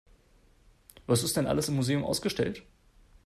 Was ist denn alles im Museum ausgestellt?